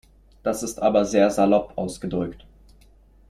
Das ist aber sehr salopp ausgedrückt.